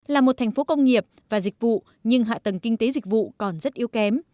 là một thành phố công nghiệp và dịch vụ nhưng hạ tầng kinh tế dịch vụ còn rất yếu kém